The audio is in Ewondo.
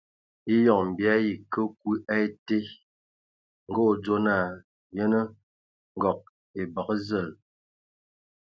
Eyon bii ayi ke kwi a ete, ngə o dzo naa :Yənə, ngɔg e bəgə zəl !